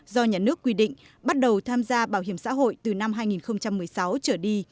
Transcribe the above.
do nhà nước quy định bắt đầu tham gia bảo hiểm xã hội từ năm hai nghìn một mươi sáu trở đi